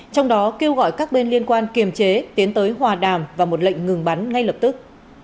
trong đó kêu gọi các bên liên quan kiềm chế tiến tới hòa đàm và một lệnh ngừng bắn ngay lập tức